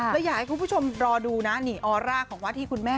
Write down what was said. และอยากให้คุณผู้ชมรอดูนะนี่ออร่าของว่าที่คุณแม่